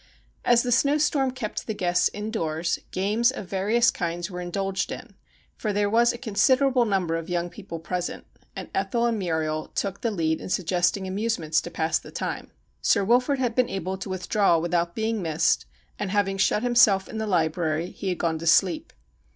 As the snowstorm kept the guests indoors, games of various kinds were indulged in, for there was a considerable number of young people present, and Ethel and Muriel took the lead in suggesting amusements to pass the time. Sir Wilfrid had been able to withdraw without being missed, and having shut himself in the library he had gone to sleep.